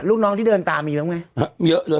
ลูกน้องที่เดินออกมาตามีลงไหม